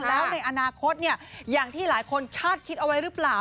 แล้วในอนาคตอย่างที่หลายคนคาดคิดเอาไว้หรือเปล่า